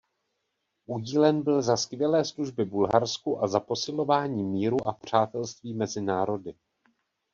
Udílen byl za skvělé služby Bulharsku a za posilování míru a přátelství mezi národy.